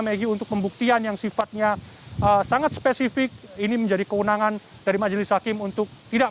megi untuk pembuktian yang sifatnya sangat spesifik ini menjadi kewenangan dari majelis hakim untuk tidak